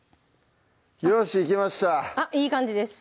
よしいけましたあっいい感じです